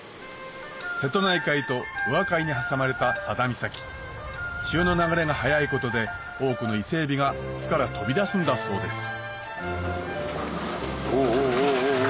瀬戸内海と宇和海に挟まれた佐田岬潮の流れが速いことで多くの伊勢エビが巣から飛び出すんだそうですおお！